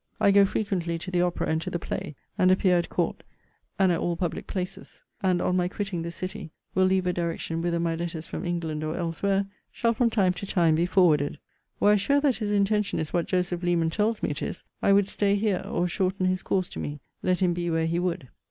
I go frequently to the opera and to the play, and appear at court, and at all public places. And, on my quitting this city, will leave a direction whither my letters from England, or elsewhere, shall from time to time be forwarded. Were I sure that his intention is what Joseph Leman tells me it is, I would stay here, or shorten his course to me, let him be where he would.